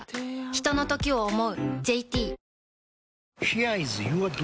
ひとのときを、想う。